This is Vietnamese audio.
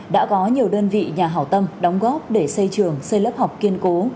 đã có nhiều đơn vị nhà hảo tâm đóng góp để xây trường xây lớp học kiên cố